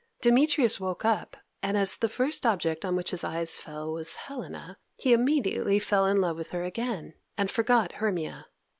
Demetrius woke up, and, as the first object on which his eyes fell was Helena, he immediately fell in love with her again, and forgot Hermia.